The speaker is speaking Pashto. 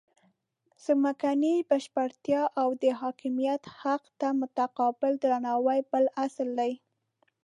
ځمکنۍ بشپړتیا او د حاکمیت حق ته متقابل درناوی بل اصل دی.